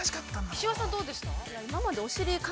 ◆木嶋さんどうでしたか。